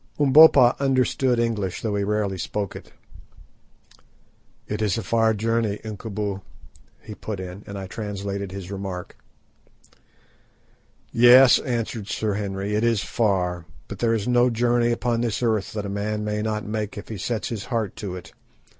Umbopa understood English, though he rarely spoke it. "It is a far journey, Incubu," he put in, and I translated his remark. "Yes," answered Sir Henry, "it is far. But there is no journey upon this earth that a man may not make if he sets his heart to it.